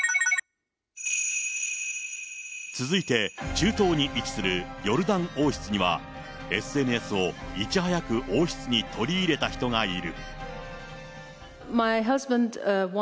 続いて、中東に位置するヨルダン王室には、ＳＮＳをいち早く王室に取り入れた人がいる。